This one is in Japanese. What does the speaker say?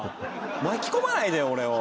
巻き込まないでよ俺を。